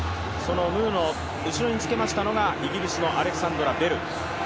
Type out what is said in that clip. ムーの後ろにつけたのがイギリスのアレクサンドラ・ベル。